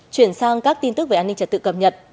chuyển sang các tin tức về an ninh trật tự cập nhật